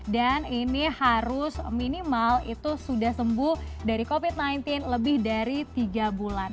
dan ini harus minimal itu sudah sembuh dari covid sembilan belas lebih dari tiga bulan